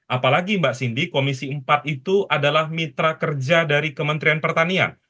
apalagi mbak cindy komisi empat itu adalah mitra kerja dari kementerian pertanian